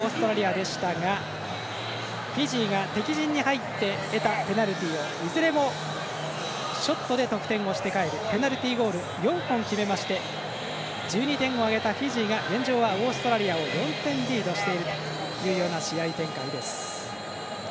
１トライを挙げて一時はリードを奪ったオーストラリアでしたがフィジーが敵陣に入って得たペナルティをいずれもショットで得点をして帰るペナルティゴール４本を決めまして１２点を挙げたフィジーが現状はオーストラリアを４点リードしているという試合展開。